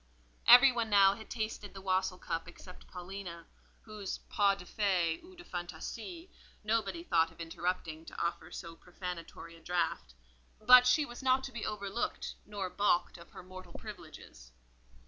Every one now had tasted the wassail cup except Paulina, whose pas de fée, ou de fantaisie, nobody thought of interrupting to offer so profanatory a draught; but she was not to be overlooked, nor baulked of her mortal privileges.